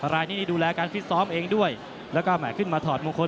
รายนี้นี่ดูแลการฟิตซ้อมเองด้วยแล้วก็แห่ขึ้นมาถอดมงคล